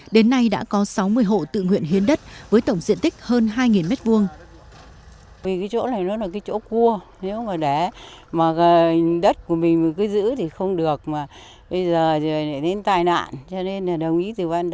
đến nay đã có sáu mươi hộ tự nguyện hiến đất với tổng diện tích hơn hai m hai